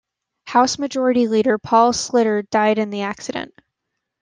House Majority Leader Paul Sliter died in the accident.